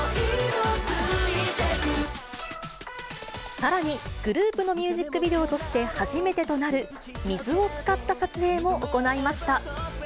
さらに、グループのミュージックビデオとして初めてとなる、水を使った撮影も行いました。